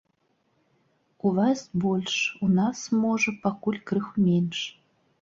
У вас больш, у нас, можа, пакуль крыху менш.